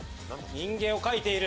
人間を描いている。